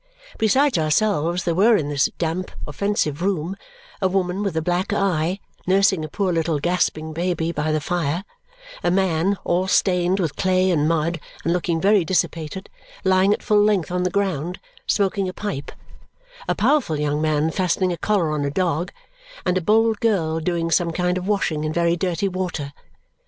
Besides ourselves, there were in this damp, offensive room a woman with a black eye, nursing a poor little gasping baby by the fire; a man, all stained with clay and mud and looking very dissipated, lying at full length on the ground, smoking a pipe; a powerful young man fastening a collar on a dog; and a bold girl doing some kind of washing in very dirty water.